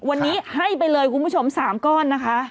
วันนี้ให้ไปเลยคุณผู้ชม๓ก้อนนะคะ